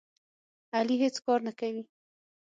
علي هېڅ کار نه کوي.